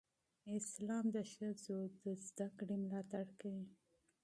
اسلام د ښځو د علم زده کړې ملاتړ کوي.